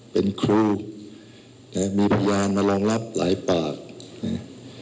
เป็นครูเนี่ยมีพยานมารองรับหลายปากเนี่ย